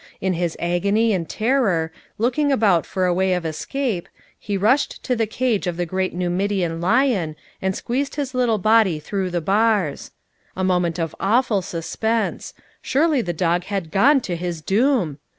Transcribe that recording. In his agony and terror, looking about for a way of escape, he mailed to the cage of the great Nuniidian lion and squeezed his little body through the bars. A moment of awful suspense; surely the dog had gone to his doom!